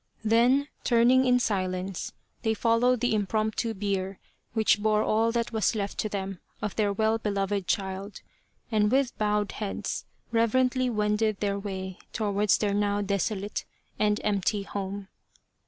Then, turning in silence, they followed the impromptu bier which bore all that was left to them of their well beloved child, and with bowed heads reverently wended their way towards their now deso late and empty home.